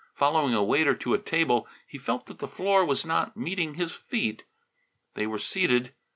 Following a waiter to a table he felt that the floor was not meeting his feet. They were seated!